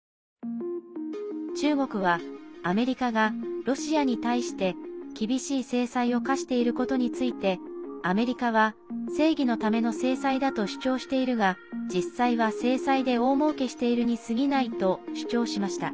中国はアメリカがロシアに対して厳しい制裁を科していることについてアメリカは正義のための制裁だと主張しているが実際は、制裁で大もうけしているにすぎないと主張しました。